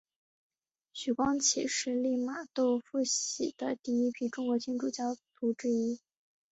徐光启是利玛窦付洗的第一批中国天主教徒之一。